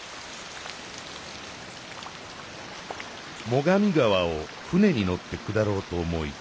「最上川を船に乗って下ろうと思い